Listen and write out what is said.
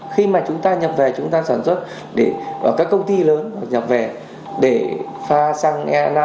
khi mà chúng ta nhập về chúng ta sản xuất các công ty lớn nhập về để pha sang e năm